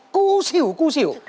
cú sỉu cú sỉu